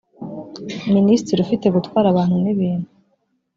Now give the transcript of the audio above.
minisitiri ufite gutwara abantu n ibintu